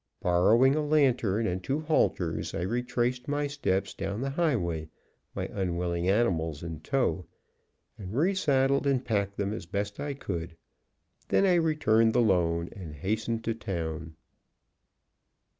Borrowing a lantern and two halters, I retraced my steps down the highway, my unwilling animals in tow, and resaddled and packed them as best I could; then I returned the loan and hastened to town.